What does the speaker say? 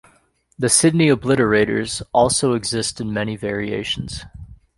The Sydney obliterators also exist in many variations.